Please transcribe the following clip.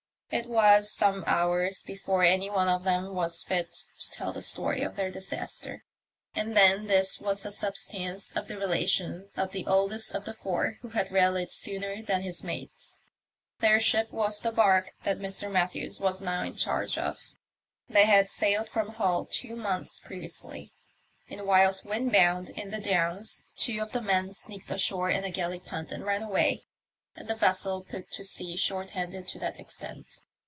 It was some hours before any one of them was fit to tell the story of their disaster, and then this was the substance of the relation of the oldest of the four, who had rallied sooner than his mates. Their ship was the barque that Mr. Matthews was now in charge of. They had sailed from Hull two months previously, and whilst wind bound in the Downs two of the men sneaked ashore in a galley punt and ran away, and the vessel put to sea short handed to that extent.